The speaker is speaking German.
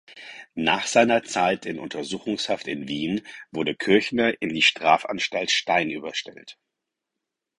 Nach seiner Zeit in Untersuchungshaft in Wien wurde Kirchner in die Strafanstalt Stein überstellt.